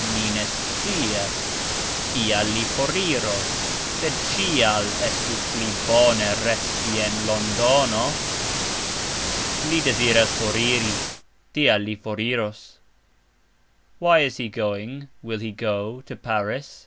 Mi ne scias; "ial" li foriros, sed "cxial" estus pli bone resti en Londono. Li deziras foriri, "tial" li foriros. "Why" is he going (will he go) to Paris?